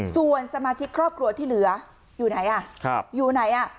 ส่วนสมาชิกครอบครัวที่เหลืออยู่ไหน